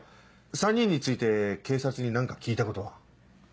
３人について警察に何か聞いたことは？